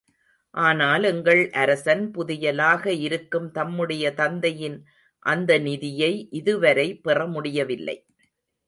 ஆனால் எங்கள் அரசன் புதையலாக இருக்கும் தம்முடைய தந்தையின் அந்த நிதியை இதுவரை பெற முடியவில்லை.